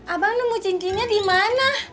abang nemu cincinnya di mana